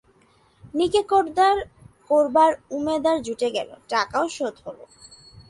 নিকে করবার উমেদার জুটে গেল, টাকাও শোধ হল।